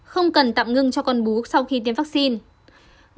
không cần tạm ngưng cho con bú sau khi tiêm vaccine